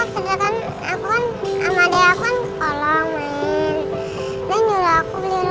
sedangkan aku kan